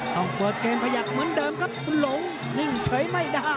ต้องเปิดเกมขยับเหมือนเดิมครับคุณหลงนิ่งเฉยไม่ได้